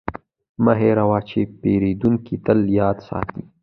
مه هېروه چې پیرودونکی تل یاد ساتي.